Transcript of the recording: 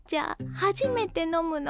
初めて飲むの。